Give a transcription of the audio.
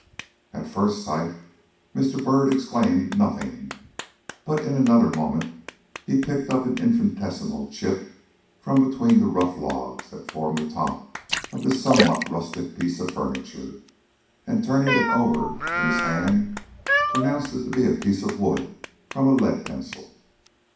At first sight Mr. Byrd exclaimed: "Nothing," but in another moment he picked up an infinitesimal chip from between the rough logs that formed the top of this somewhat rustic piece of furniture, and turning it over in his hand, pronounced it to be a piece of wood from a lead pencil.